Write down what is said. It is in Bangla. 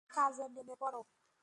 কাজে নেমে পড়ো।